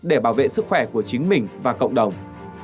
để bảo vệ sức khỏe của chính mình và cộng đồng